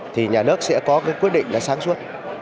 thì nhà nước sẽ có quyết định sáng suốt